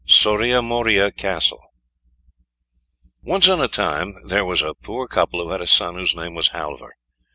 SORIA MORIA CASTLE Once on a time there was a poor couple who had a son whose name was Halvor.